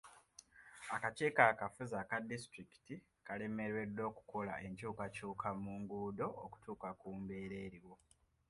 Akakiiko akafuzi aka disitulikiti kalemeddwa okukola ekyukakyuka mu nguudo okutuuka ku mbeera eriwo.